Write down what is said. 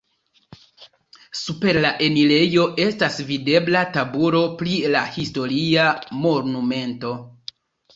Super la enirejo estas videbla tabulo pri la historia monumento.